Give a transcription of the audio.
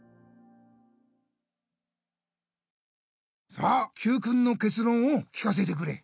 さあＱくんのけつろんを聞かせてくれ。